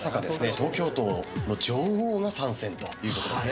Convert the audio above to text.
東京都の女王の参戦ということですね。